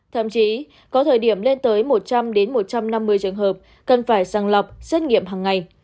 thậm chí có thời điểm lên tới một trăm linh một trăm năm mươi trường hợp cần phải sang lọc xét nghiệm hàng ngày